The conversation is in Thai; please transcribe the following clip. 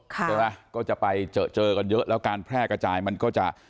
ใช่ไหมก็จะไปเจอเจอกันเยอะแล้วการแพร่กระจายมันก็จะ